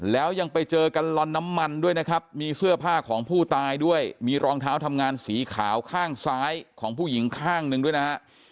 แล้วยังไปเจอกันลอนน้ำมันด้วยนะครับมีเสื้อผ้าของผู้ตายด้วยมีรองเท้าทำงานสีขาวข้างซ้ายของผู้หญิงข้างหนึ่งด้วยนะฮะ